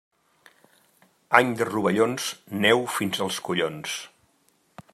Any de rovellons, neu fins als collons.